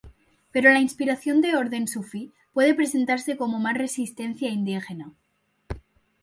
Pero la inspiración de orden sufí puede presentarse como más resistencia indígena.